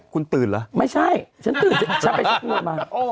คุณตื่นเหรอไม่ใช่ฉันตื่นฉันไปเช็คมวลมา